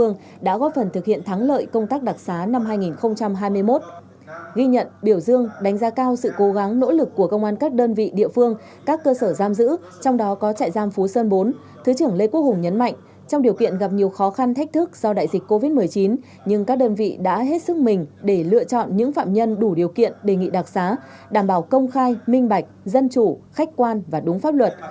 ba mươi một ghi nhận biểu dương đánh giá cao sự cố gắng nỗ lực của công an các đơn vị địa phương các cơ sở giam giữ trong đó có trại giam phú sơn bốn thứ trưởng lê quốc hùng nhấn mạnh trong điều kiện gặp nhiều khó khăn thách thức do đại dịch covid một mươi chín nhưng các đơn vị đã hết sức mình để lựa chọn những phạm nhân đủ điều kiện đề nghị đặc sá đảm bảo công khai minh bạch dân chủ khách quan và đúng pháp luật